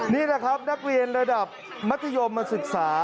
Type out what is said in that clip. นี่แหละครับนักเรียนระดับมัธยมศึกษา